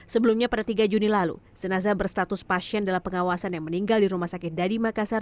sebelumnya pada tiga juni lalu jenazah berstatus pasien dalam pengawasan yang meninggal di rumah sakit dadi makassar